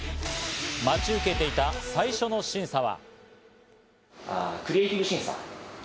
待ち受けていた最初の審査は。